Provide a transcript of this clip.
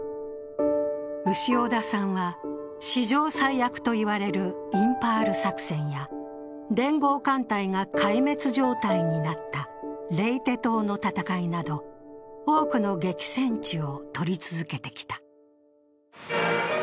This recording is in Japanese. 潮田さんは、史上最悪と言われるインパール作戦や連合艦隊が壊滅状態になったレイテ島の戦いなど多くの激戦地を撮り続けてきた。